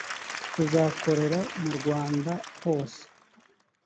tuzakorera mu rwanda hose